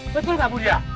betul gak budia